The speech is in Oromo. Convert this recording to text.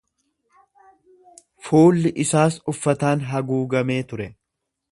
Fuulli isaas uffataan haguugamee ture.